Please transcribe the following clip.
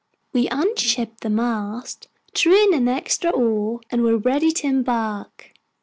We unshipped the mast, threw in an extra oar, and were ready to embark.